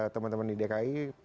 teman teman di dki